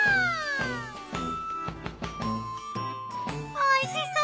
おいしそう！